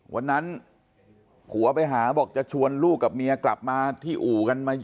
วันนั้นผัวไปหาบอกจะชวนลูกกับเมียกลับมาที่อู่กันมา